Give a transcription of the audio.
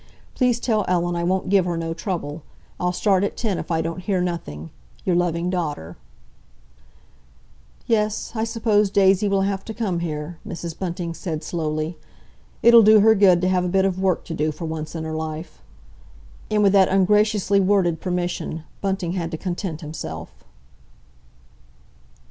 Please tell Ellen I won't give her no trouble. I'll start at ten if I don't hear nothing.—Your loving daughter, "DAISY." "Yes, I suppose Daisy will have to come here," Mrs. Bunting slowly. "It'll do her good to have a bit of work to do for once in her life." And with that ungraciously worded permission Bunting had to content himself.